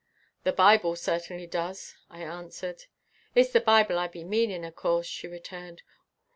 "The Bible certainly does," I answered. "It's the Bible I be meaning, of course," she returned.